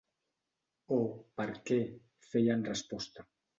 Oh, “Perquè”—feia en resposta.